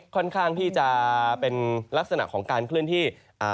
ค่อนข้างที่จะเป็นลักษณะของการเคลื่อนที่